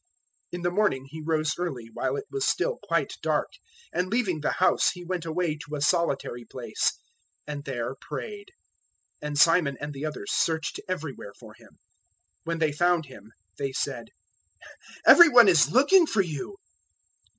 001:035 In the morning He rose early, while it was still quite dark, and leaving the house He went away to a solitary place and there prayed. 001:036 And Simon and the others searched everywhere for Him. 001:037 When they found Him they said, "Every one is looking for you."